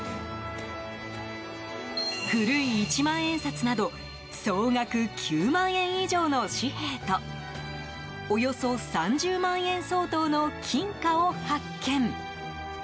古い一万円札など総額９万円以上の紙幣とおよそ３０万円相当の金貨を発見。